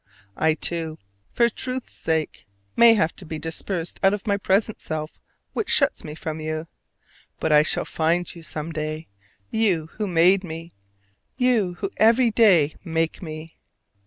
I too, for truth's sake, may have to be dispersed out of my present self which shuts me from you: but I shall find you some day, you who made me, you who every day make me!